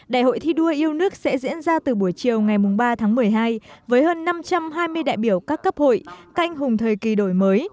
đại hội thi đua yêu nước sẽ diễn ra từ buổi chiều ngày ba tháng một mươi hai với hơn năm trăm hai mươi đại biểu các cấp hội canh hùng thời kỳ đổi mới